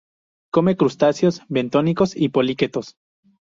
Come crustáceos bentónicos y poliquetos.